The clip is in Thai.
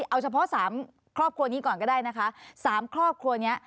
เอาเฉพาะสามครอบครัวนี้ก่อนก็ได้นะคะสามครอบครัวเนี้ย